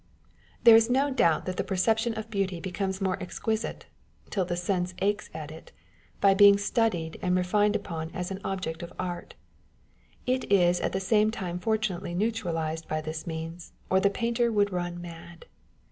There is no doubt that the percep tion of beauty becomes more exquisite ("till the sense aches at it ") by being studied and refined upon as an object of art â€" it is at the same time fortunately neutralised by this means, or the painter would run mad.